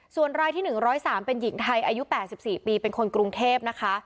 ส่วนรายที่๑๐๓เป็นหญิงไทยอายุ๘๔ปีเป็นคนกรุงเทพนะคะ